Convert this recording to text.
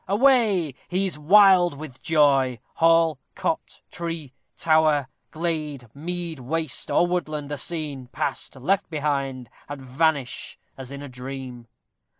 away! He is wild with joy. Hall, cot, tree, tower, glade, mead, waste, or woodland, are seen, passed, left behind, and vanish as in a dream.